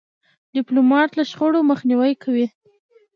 ډيپلومات له شخړو مخنیوی کوي.